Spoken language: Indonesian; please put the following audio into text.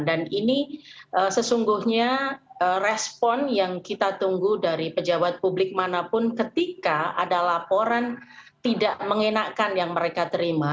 dan ini sesungguhnya respon yang kita tunggu dari pejabat publik manapun ketika ada laporan tidak mengenakan yang mereka terima